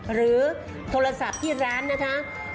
หรือโทรศัพท์ที่ร้านนะคะ